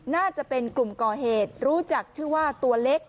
น่าจะเป็นกลุ่มก่อเหตุรู้จักชื่อว่าตัวเล็ก